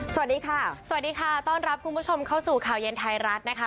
สวัสดีค่ะสวัสดีค่ะต้อนรับคุณผู้ชมเข้าสู่ข่าวเย็นไทยรัฐนะคะ